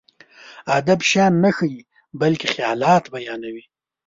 ادب شيان نه ښيي، بلکې خيالات بيانوي.